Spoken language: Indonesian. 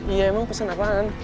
iya emang pesen apaan